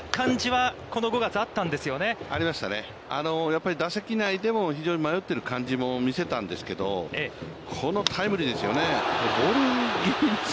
やっぱり打席内でも非常に迷っている感じも見せたんすけれども、このタイムリーですよね。